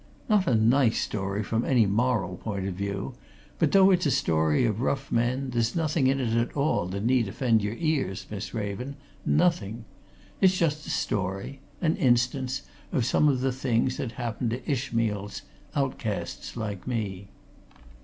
Not a nice story from any moral point of view, but though it's a story of rough men, there's nothing in it at all that need offend your ears, Miss Raven nothing. It's just a story an instance of some of the things that happen to Ishmaels, outcasts, like me."